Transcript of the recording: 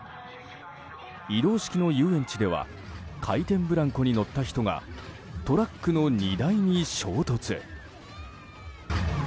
移動式の遊園地では回転ブランコに乗った人がトラックの荷台に衝突。